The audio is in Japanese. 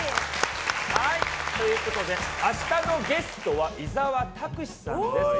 明日のゲストは伊沢拓司さんです。